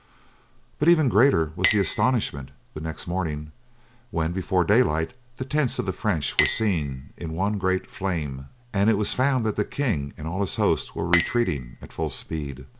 But even greater was the astonishment the next morning when, before daylight, the tents of the French were seen in one great flame, and it was found that the king and all his host were retreating at full speed.